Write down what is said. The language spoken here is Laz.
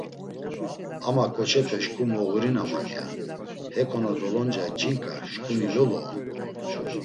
“Ama ǩoçepe şǩu moğurinaman.” ya; “Heko na doloncay ç̌inǩa, şǩuni Lolo on.”